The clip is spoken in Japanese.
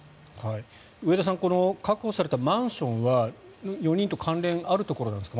上田さん確保されたマンションは４人と関連があるところなんですか？